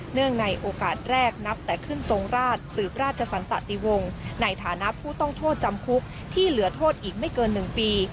ในโอกาสแรกนับแต่ขึ้นทรงราชสืบราชสันตะติวงในฐานะผู้ต้องโทษจำคุกที่เหลือโทษอีกไม่เกิน๑ปี